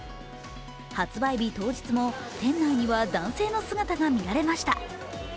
発売日当日も、店内には男性の姿が見られました。